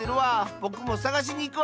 ぼくもさがしにいくわ！